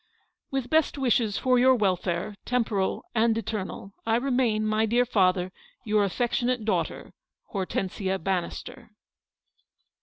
" "With best wishes for your welfare, temporal and eternal, " I remain, my dear father, "Your affectionate daughter, " Hortexsia Bannister."